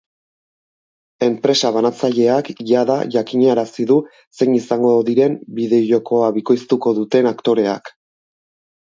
Enpresa banatzaileak jada jakinarazi du zein izango diren bideo-jokoa bikoiztuko duten aktoreak.